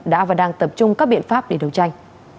đã và đang tập trung các biện pháp để đấu tranh